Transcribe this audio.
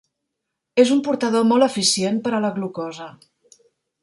És un portador molt eficient per a la glucosa.